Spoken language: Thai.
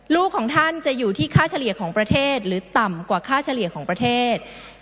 ลูกของท่านจะอยู่ที่ค่าเฉลี่ยของประเทศหรือต่ำกว่าค่าเฉลี่ยของประเทศ